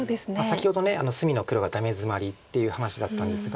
先ほど隅の黒がダメヅマリっていう話だったんですが。